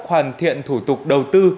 hoàn thiện thủ tục đầu tư